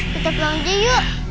kita pulang aja yuk